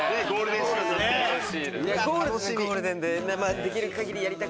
ゴールデンで。